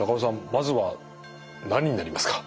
まずは何になりますか？